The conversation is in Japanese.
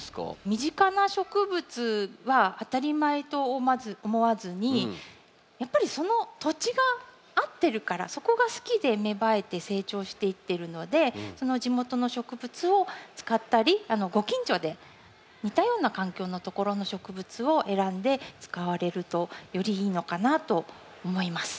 身近な植物は当たり前とまず思わずにやっぱりその土地が合ってるからそこが好きで芽生えて成長していってるのでその地元の植物を使ったりご近所で似たような環境のところの植物を選んで使われるとよりいいのかなと思います。